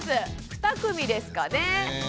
２組ですかね？